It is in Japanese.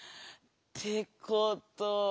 ってことは。